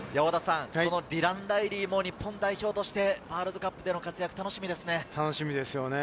ディラン・ライリーも日本代表としてワールドカップでの活躍、楽しみですね。